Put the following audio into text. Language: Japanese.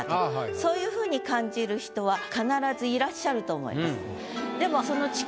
そういうふうに感じる人は必ずいらっしゃると思います。